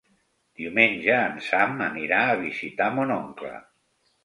Diumenge en Sam anirà a visitar mon oncle.